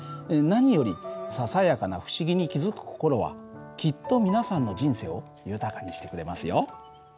何よりささやかな不思議に気付く心はきっと皆さんの人生を豊かにしてくれますよ。